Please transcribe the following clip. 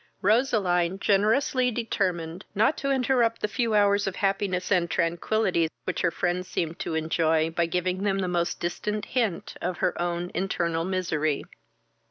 Roseline generously determined not to interrupt the few hours of happiness and tranquillity which her friends seemed to enjoy, by giving them the most distant hint of her own internal misery.